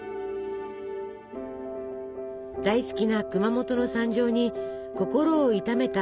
大好きな熊本の惨状に心を痛めた吉崎さん。